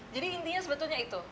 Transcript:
jadi intinya sebetulnya itu